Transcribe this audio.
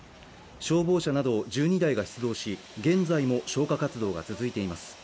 消防車など１２台が出動し、現在も消火活動が続いています。